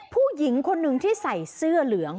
ผู้หญิงคนหนึ่งที่ใส่เสื้อเหลือง